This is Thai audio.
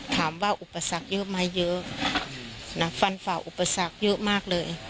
อุปสรรคเยอะไหมเยอะนะฟันฝ่าอุปสรรคเยอะมากเลย